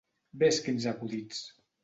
Ves quins acudits!